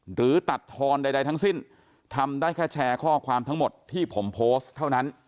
หรือตัดทอนใดทั้งสิ้นทำได้แค่แชร์ข้อความทั้งหมดที่ผมโพสต์เท่านั้น